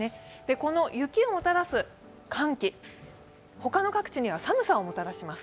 この雪をもたらす寒気、他の各地には寒さをもたらします。